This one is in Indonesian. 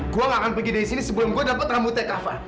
gue gak akan pergi dari sini sebelum gue dapat rambutnya kava